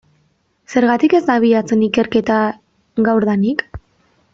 Zergatik ez da abiatzen ikerketa gaurdanik?